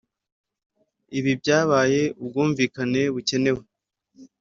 ibi byabaye ubwumvikane bukenewe.